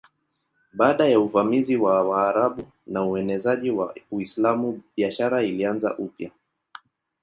Baada ya uvamizi wa Waarabu na uenezaji wa Uislamu biashara ilianza upya.